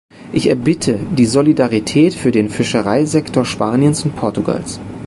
Ich erbitte die Solidarität für den Fischereisektor Spaniens und Portugals.